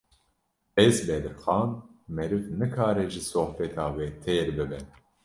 Birêz Bedirxan, meriv nikare ji sohbeta we têr bibe